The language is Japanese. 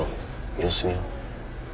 様子見よう。